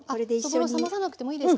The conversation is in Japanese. そぼろ冷まさなくてもいいですか？